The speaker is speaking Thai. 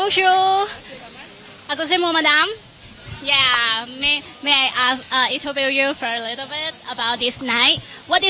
ภูมิวผู้โดยค่อยกว่า